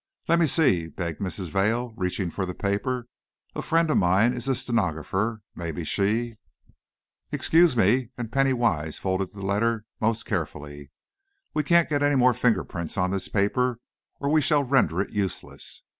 "Let me see," begged Mrs. Vail, reaching for the paper. "A friend of mine is a stenographer; maybe she " "Excuse me," and Penny Wise folded the letter most carefully. "We can't get any more finger prints on this paper, or we shall render it useless.